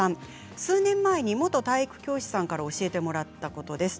数年前に元体育教師さんから教えていただいたことです。